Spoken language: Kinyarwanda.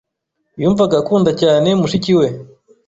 Yumvaga akunda cyane mushiki we.